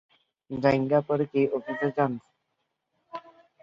জাইঙ্গা পড়ে কি অফিসে যান?